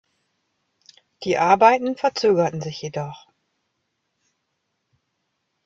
Die Arbeiten verzögerten sich jedoch.